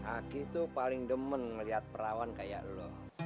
aki itu paling demen ngeliat perawan kayak lo